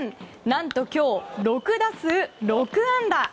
何と今日、６打数６安打。